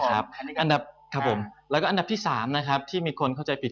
อันดับที่๓นะครับที่มีคนเข้าใจผิดกันมากที่สุด